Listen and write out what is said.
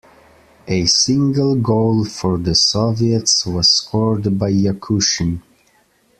A single goal for the Soviets was scored by Yakushyn.